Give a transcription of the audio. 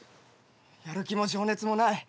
やる気も情熱もない